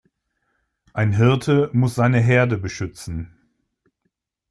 Ein Hirte muss seine Herde beschützen.